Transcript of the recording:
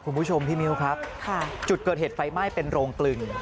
คุณผู้ชมพี่มิ้วครับจุดเกิดเหตุไฟไหม้เป็นโรงกลึง